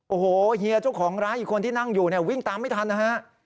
โอ้โหเฮียเจ้าของร้านอีกคนที่นั่งอยู่เนี่ยวิ่งตามไม่ทันนะฮะ